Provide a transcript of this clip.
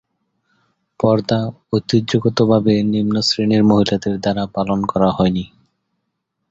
পর্দা ঐতিহ্যগতভাবে নিম্ন-শ্রেণীর মহিলাদের দ্বারা পালন করা হয়নি।